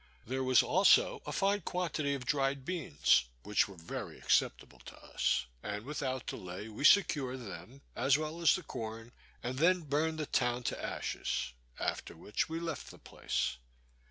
There was also a fine quantity of dried beans, which were very acceptable to us; and without delay we secured them as well as the corn, and then burned the town to ashes; after which we left the place.